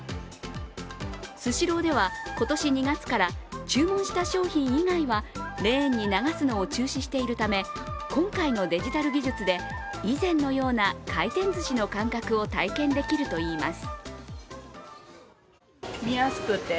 スシローでは今年２月から注文した商品以外はレーンに流すのを中止しているため今回のデジタル技術で以前のような回転ずしの感覚を体験できるといいます。